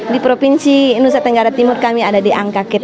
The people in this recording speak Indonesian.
di provinsi indonesia tenggara timur kami ada di angka ke tiga